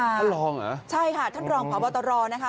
ท่านรองเหรอใช่ค่ะท่านรองพบตรนะคะ